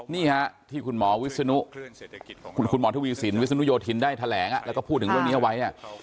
นี่ฮะที่คุณหมอวิศนุคุณหมอทวีสินวิศนุโยธินได้แถลงแล้วก็พูดถึงเรื่องนี้เอาไว้